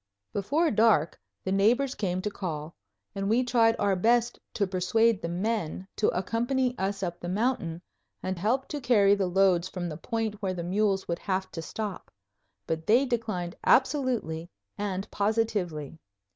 Before dark the neighbors came to call, and we tried our best to persuade the men to accompany us up the mountain and help to carry the loads from the point where the mules would have to stop; but they declined absolutely and positively.